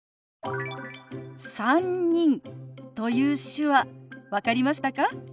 「３人」という手話分かりましたか？